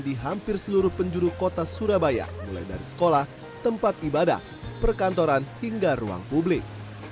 di hampir seluruh penjuru kota surabaya mulai dari sekolah tempat ibadah perkantoran hingga ruang publik